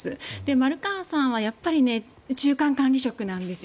丸川さんはやっぱり中間管理職なんですよ。